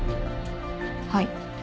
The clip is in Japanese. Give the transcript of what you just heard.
はい。